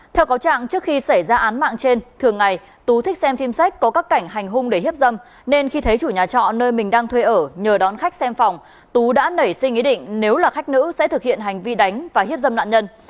theo cáo trạng trước khi xảy ra án mạng trên thường ngày tú thích xem phim sách có các cảnh hành hung để hiếp dâm nên khi thấy chủ nhà trọ nơi mình đang thuê ở nhờ đón khách xem phòng tú đã nảy sinh ý định nếu là khách nữ sẽ thực hiện hành vi đánh và hiếp dâm nạn nhân